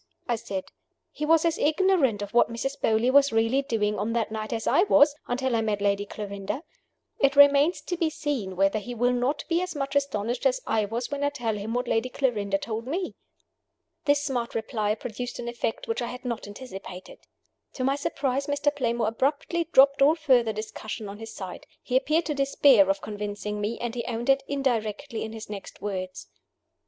I said. "He was as ignorant of what Mrs. Beauly was really doing on that night as I was until I met Lady Clarinda. It remains to be seen whether he will not be as much astonished as I was when I tell him what Lady Clarinda told me." This smart reply produced an effect which I had not anticipated. To my surprise, Mr. Playmore abruptly dropped all further discussion on his side. He appeared to despair of convincing me, and he owned it indirectly in his next words.